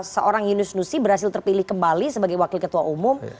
seorang yunus nusi berhasil terpilih kembali sebagai wakil ketua umum